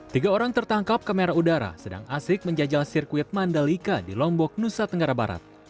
tiga orang tertangkap kamera udara sedang asik menjajal sirkuit mandalika di lombok nusa tenggara barat